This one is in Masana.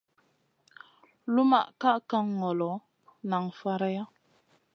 Lumʼma ka kan ŋolo, nan faraiya.